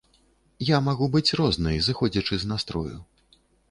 Я магу быць рознай, зыходзячы з настрою.